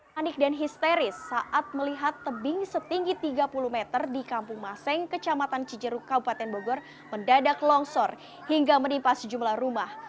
panik dan histeris saat melihat tebing setinggi tiga puluh meter di kampung maseng kecamatan cijeruk kabupaten bogor mendadak longsor hingga menimpa sejumlah rumah